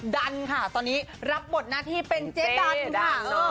ดันค่ะตอนนี้รับบทหน้าที่เป็นเจ๊ดันค่ะ